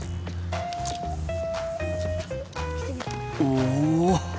おお！